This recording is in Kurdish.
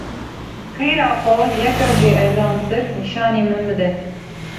Xêra xwe, yeka jê ezantir nîşanî min bide.